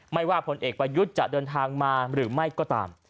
ไม่ว่าคนเอกประยุจรรย์จะเดินทางมาหรือไม่ก็ตาม